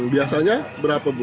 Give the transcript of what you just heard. biasanya berapa bu